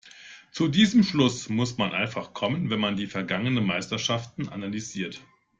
Zu diesem Schluss muss man einfach kommen, wenn man die vergangenen Meisterschaften analysiert.